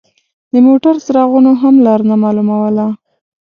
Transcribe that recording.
د موټر څراغونو هم لار نه مالوموله.